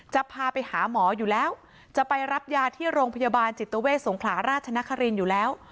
จะพาไปหาหมออยู่แล้วจะไปรับยาที่โรงพยาบาลจิตเวทสงขลาราชนครินทร์อยู่แล้ว